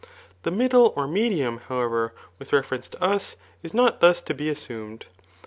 The middle or medium, however, with reference to us, is not thus to be assumed.